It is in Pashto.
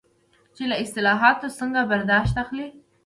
چې له اصطلاحاتو څنګه برداشت اخلي.